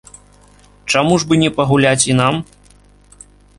Чаму ж бы не пагуляць і нам?